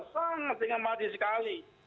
sangat dengan mahal sekali